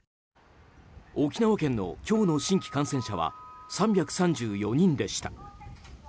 沖縄県の今日の新規感染者は３３４人でした。